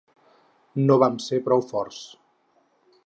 No vam ser prou forts.